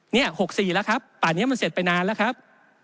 นี่๖๔แล้วครับป่านนี้มันเสร็จไปนานแล้วครับ